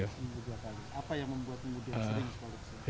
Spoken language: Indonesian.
apa yang membuat kemudian sering